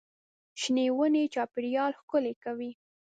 شنې ونې چاپېریال ښکلی کوي.